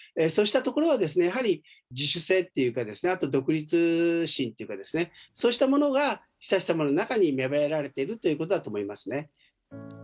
そうしたところは、自主性というかですね、あと独立心というかですね、そうしたものが、悠仁さまの中に芽生えられているということだと思いますね。